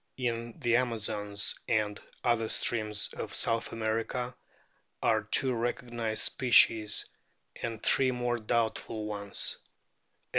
In the Amazons and other streams of South America are two recognised o species, and three more doubtful ones.